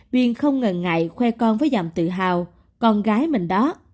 viên không ngờ ngại khoe con với dạng tự hào con gái mình đó